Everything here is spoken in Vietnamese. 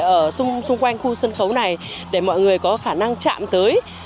ở xung quanh khu sân khấu này để mọi người có khả năng chạm tới